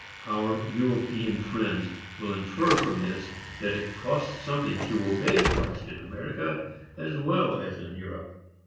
Our European friends will infer from this that it costs something to obey Christ in America, as well as in Europe.